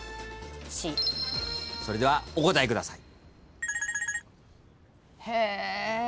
それではお答えください。